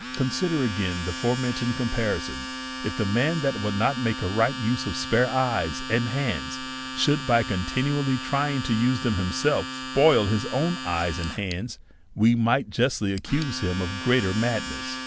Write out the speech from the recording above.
Consider again the forementioned comparison : If the man that would not make a right use of spare eyes and hands should, by continually trying to use them himself, spoil his own eyes and hands, we might justly accuse him of still greater madness.